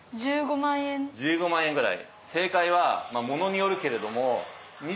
１５万円ぐらい？